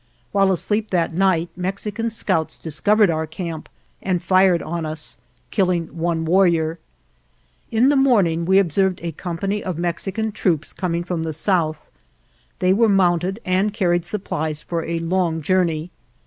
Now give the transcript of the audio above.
While asleep that night Mexican scouts discovered our camp and fired on us, killing one warrior. In the morning we ob served a company of Mexican troops com ing from the south. They were mounted and carried supplies for a long journey.